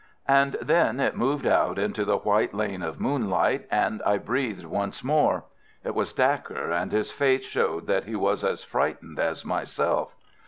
And then it moved out into the white lane of moonlight, and I breathed once more. It was Dacre, and his face showed that he was as frightened as myself.